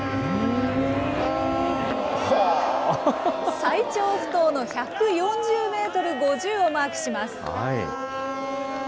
最長不倒の１４０メートル５０をマークします。